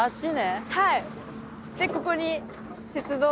はい。